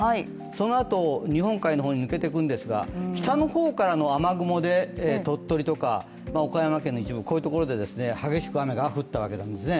そのあと日本海の方に抜けていくんですが北の方からの雨雲で鳥取とか岡山県の一部こういうところで激しく雨が降ったわけですね。